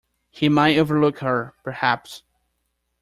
He might overlook her, perhaps!